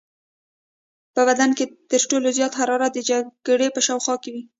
په بدن کې تر ټولو زیاته حرارت د جگر په شاوخوا کې وي.